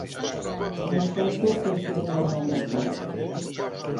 L'insulto fins dir-li el nom del porc.